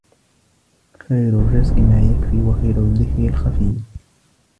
خَيْرُ الرِّزْقِ مَا يَكْفِي وَخَيْرُ الذِّكْرِ الْخَفِيُّ